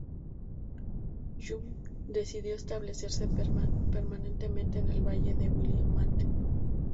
Young decidió establecerse permanentemente en el valle de Willamette.